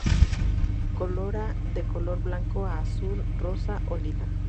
Corola de color blanco a azul, rosa o lila.